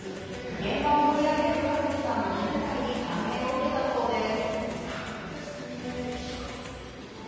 現場を盛り上げる勝地さんの気遣いに感銘を受けたそうです。